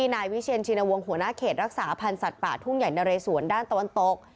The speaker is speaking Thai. นายวิเชียนชินวงศ์หัวหน้าเขตรักษาพันธ์สัตว์ป่าทุ่งใหญ่นะเรสวนด้านตะวันตก